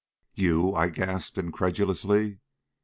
"You!" I gasped incredulously.